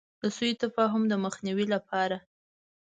د سو تفاهم د مخنیوي لپاره.